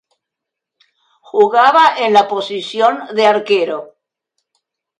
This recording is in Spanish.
Jugaba en la posición de arquero.